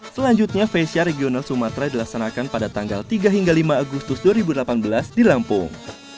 selanjutnya fasya regional sumatera dilaksanakan pada tanggal tiga hingga lima agustus dua ribu delapan belas di lampung